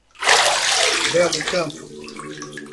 Belo Campo